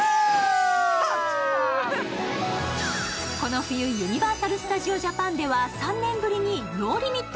この冬、ユニバーサル・スタジオ・ジャパンでは、３年ぶりにＮＯＬＩＭＩＴ！